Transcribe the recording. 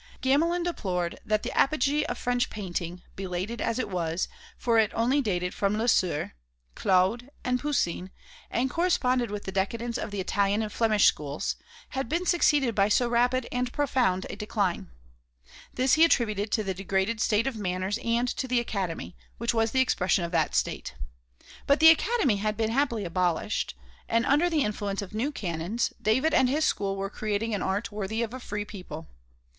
Gamelin deplored that the apogee of French painting, belated as it was, for it only dated from Lesueur, Claude and Poussin and corresponded with the decadence of the Italian and Flemish schools, had been succeeded by so rapid and profound a decline. This he attributed to the degraded state of manners and to the Academy, which was the expression of that state. But the Academy had been happily abolished, and under the influence of new canons, David and his school were creating an art worthy of a free people.